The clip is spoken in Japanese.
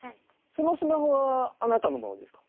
そのスマホはあなたのものですか？